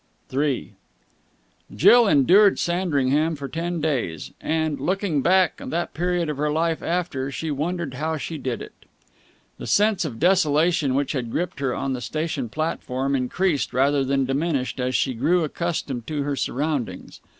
III Jill endured Sandringham for ten days; and, looking back on that period of her life later, she wondered how she did it. The sense of desolation which had gripped her on the station platform increased rather than diminished as she grew accustomed to her surroundings.